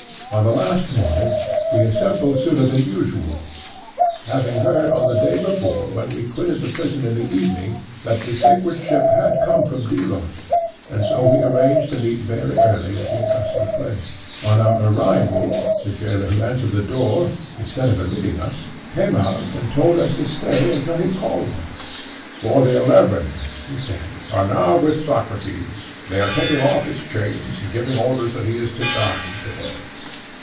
On the last morning we assembled sooner than usual, having heard on the day before when we quitted the prison in the evening that the sacred ship had come from Delos, and so we arranged to meet very early at the accustomed place. On our arrival the jailer who answered the door, instead of admitting us, came out and told us to stay until he called us. 'For the Eleven,' he said, 'are now with Socrates; they are taking off his chains, and giving orders that he is to die to day.'